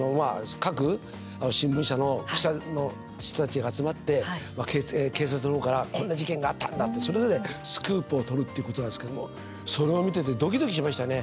各新聞社の記者の人たちが集まって、警察の方からこんな事件があったんだってそれぞれスクープを取るっていうことなんですけどもそれを見ててドキドキしましたね。